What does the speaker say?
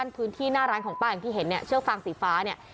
พื้นที่หน้าร้านของป้าอย่างที่เห็นเนี่ยเชือกฟางสีฟ้าเนี่ย